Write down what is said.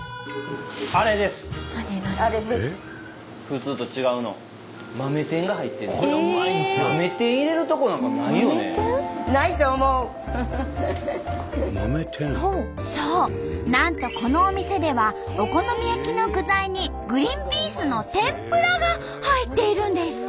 普通と違うのそうなんとこのお店ではお好み焼きの具材にグリーンピースの天ぷらが入っているんです。